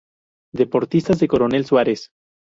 Deportistas de Coronel Suárez